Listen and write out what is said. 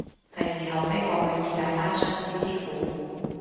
係時候飛過去以解單相思之苦